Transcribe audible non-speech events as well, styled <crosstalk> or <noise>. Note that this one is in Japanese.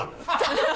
ハハハ <laughs>